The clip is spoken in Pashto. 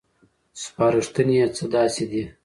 سپارښتنې یې څه داسې دي: